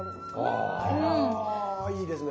あいいですね。